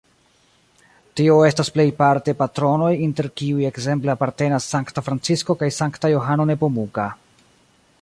Tio estas plejparte patronoj, inter kiuj ekzemple apartenas sankta Francisko kaj sankta Johano Nepomuka.